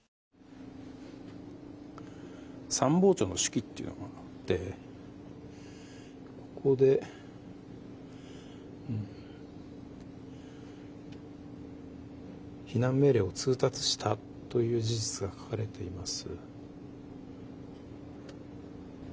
参謀長の手記っていうのがあってここで避難命令を通達したという事実が書かれています。